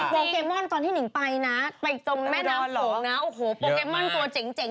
โปเกมอนตอนที่หนิงไปนะไปตรงแม่น้ำโขงนะโอ้โหโปเกมอนตัวเจ๋ง